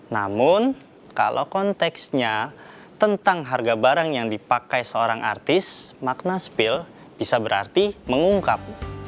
namun kalau konteksnya tentang harga barang yang dipakai seorang artis makna spill bisa berarti mengungkap